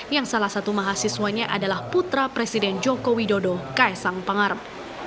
yang salah satu mahasiswanya adalah putra presiden joko widodo kaisang pangarep